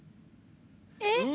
えっ？